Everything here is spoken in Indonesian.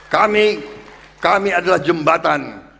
kami kami adalah jembatan